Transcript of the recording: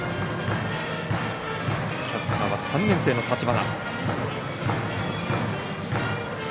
キャッチャーは３年生の立花。